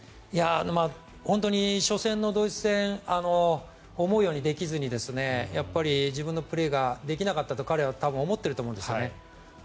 本当に初戦のドイツ戦思うようにできずに自分のプレーができなかったと彼は多分思っていると思うんですよね。